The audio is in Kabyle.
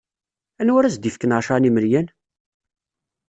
Anwa ara as-d-ifken ɛecra n yimelyan?